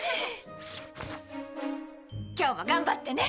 今日も頑張ってね！